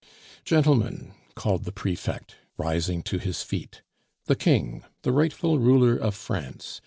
"Gentlemen," called the prefect, rising to his feet, "the King! the rightful ruler of France!